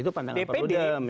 itu pandangan perludem ya